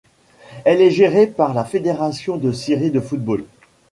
Elle est gérée par la Fédération de Syrie de football.